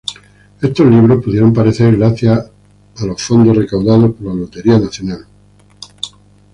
Estos libros pudieron parecer gracias a los fondos recaudados por la lotería nacional.